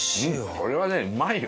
これはねうまいよ。